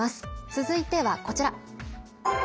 続いては、こちら。